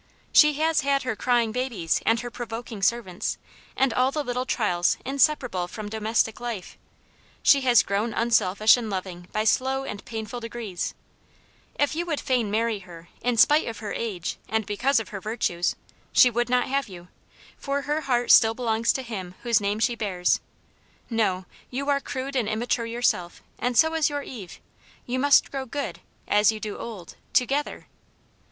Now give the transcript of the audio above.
She has had her crying babies, and her provoking servants, and all the little trials inseparable from domestic life ; she has grown unselfish and loving by slow and painful degrees ; if you would fain marry her, in spite of her age, and because of her virtues, she would not have you, for Aunt Jane's Hero. ^ 263 her heart still belongs to him whose name she bears. No, you are crude and immature yourself, and so is your Eve ; you must grow good, as you do old, together!